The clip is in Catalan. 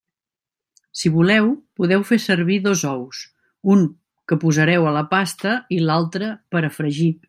Si voleu, podeu fer servir dos ous: un que posareu a la pasta i l'altre per a fregir.